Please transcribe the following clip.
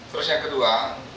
terus yang kedua